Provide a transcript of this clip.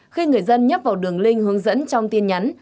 khi người dân nhấp vào đường link hướng dẫn trong tin nhắn